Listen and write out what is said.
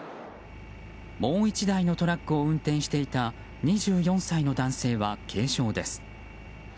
もう１台のトラックを運転していた２４歳の男性は軽傷です。